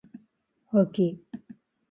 あき